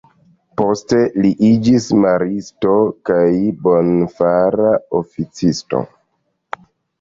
Poste, li iĝis Maristo kaj Bonfara Oficisto.